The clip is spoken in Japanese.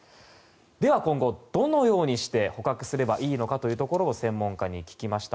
では、今後どのようにして捕獲すればいいのかを専門家に聞きました。